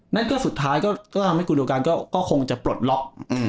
นั่นก็สุดท้ายก็ทำให้คุณดูการก็คงจะปลดล็อก